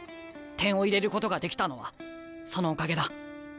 点を入れることができたのはそのおかげだ。